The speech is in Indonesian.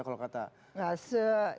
kalau kata pak luhut